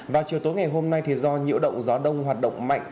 và chiều tối ngày hôm nay thì do nhiễu động gió đông hoạt động mạnh